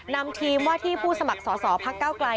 นำทีมว่าที่ผู้สมัครสอสอพักเก้าไกล